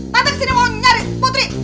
nanti kesini mau nyari putri